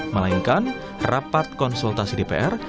melainkan rapat konsultasi dpr